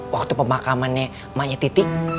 waktu pemakamannya emaknya titik